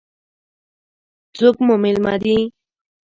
څوک مو مېلمانه دي؟